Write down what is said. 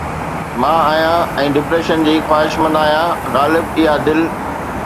مان آهيان ۽ ڊپريشن جي خواهشمند آهيان، غالب! اها دل